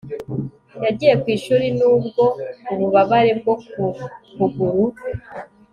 yagiye ku ishuri nubwo ububabare bwo ku kuguru